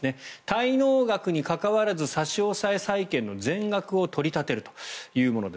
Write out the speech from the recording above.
滞納額に関わらず差し押さえ債権の全額を取り立てるというもの。